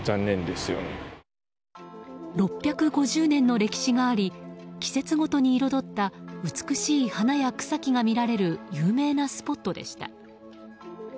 ６５０年の歴史があり季節ごとに彩った美しい花や草木が見られる有名なスポットでした。